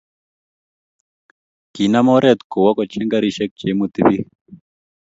Kinam oret kowo kocheng garisiek che imuti bik